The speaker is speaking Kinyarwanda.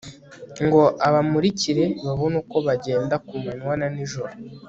ngo abamurikire babone uko bagenda ku manywa na nijoro